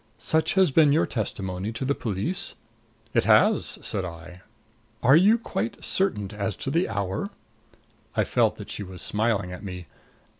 Such has been your testimony to the police?" "It has," said I. "Are you quite certain as to the hour?" I felt that she was smiling at me.